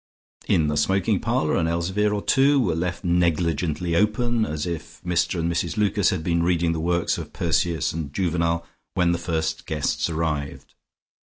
In the smoking parlour an Elzevir or two were left negligently open, as if Mr and Mrs Lucas had been reading the works of Persius and Juvenal when the first guests arrived.